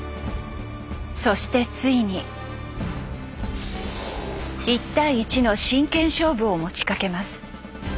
そしてついに一対一の真剣勝負を持ちかけます。